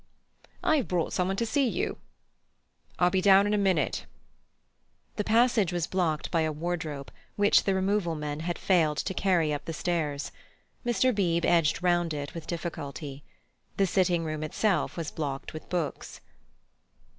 "I've brought someone to see you." "I'll be down in a minute." The passage was blocked by a wardrobe, which the removal men had failed to carry up the stairs. Mr. Beebe edged round it with difficulty. The sitting room itself was blocked with books.